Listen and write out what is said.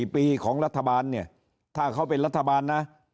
๔ปีของรัฐบาลเนี่ยถ้าเขาเป็นรัฐบาลนะ